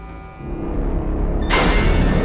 anak buah yang penah dan kenalar